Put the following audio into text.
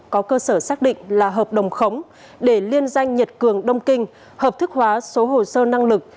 có cơ sở xác định là hợp đồng khống để liên danh nhật cường đông kinh hợp thức hóa số hồ sơ năng lực